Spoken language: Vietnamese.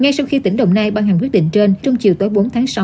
ngay sau khi tỉnh đồng nai ban hàng quyết định trên trong chiều tới bốn tháng sáu